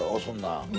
そんなん。